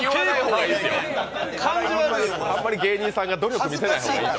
あまり芸人さんが努力見せない方がいいと。